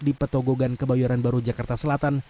di petogogan kebayoran baru jakarta selatan